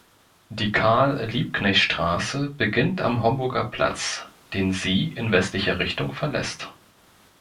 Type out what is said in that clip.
Die Karl-Liebknecht-Straße beginnt am Homburger Platz, den sie in westlicher Richtung verlässt.